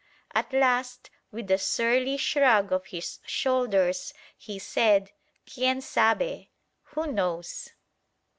At last, with a surly shrug of his shoulders, he said, "Quien sabe?" ("Who knows?")